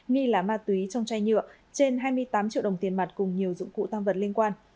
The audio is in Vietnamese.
nghi là ma túy trong chai nhựa trên hai mươi tám triệu đồng tiền mặt cùng nhiều dụng cụ tam vật liên quan